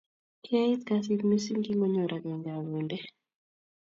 Kiyait kasit missing kingonyor agenge akonde